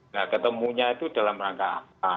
nah ketemunya itu dalam rangka apa